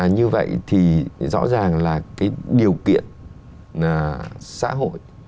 như vậy thì rõ ràng là cái điều kiện xã hội